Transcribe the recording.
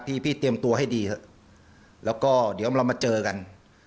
พี่เตรียมตัวให้ดีเดี๋ยวเรามาเจอกัน